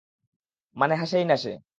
মানে, হাসেই না সে।